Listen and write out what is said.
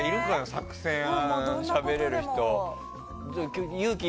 作戦しゃべれる人。